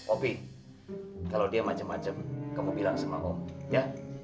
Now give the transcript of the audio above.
opie kalau dia macem macem kamu bilang sama om ya